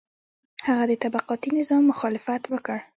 هغه د طبقاتي نظام مخالفت وکړ.